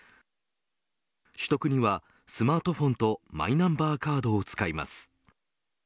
取得にはスマートフォンとマイナンバーカードを使います。